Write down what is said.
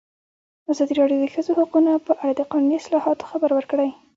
ازادي راډیو د د ښځو حقونه په اړه د قانوني اصلاحاتو خبر ورکړی.